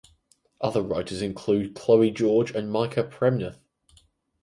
Other writers include Chloe George and Micah Premnath.